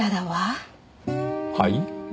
はい？